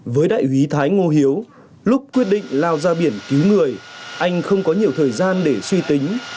với đại úy thái ngô hiếu lúc quyết định lao ra biển cứu người anh không có nhiều thời gian để suy tính